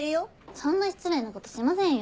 そんな失礼なことしませんよ。